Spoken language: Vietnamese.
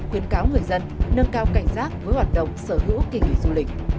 khuyến cáo người dân nâng cao cảnh giác với hoạt động sở hữu kỷ nghị du lịch